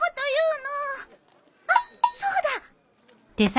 あっそうだ！